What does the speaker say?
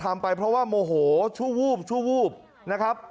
ทำไปเพราะว่าโมโหชู้วูบนะครับ